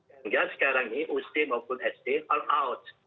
sehingga sekarang ini ustim maupun sd all out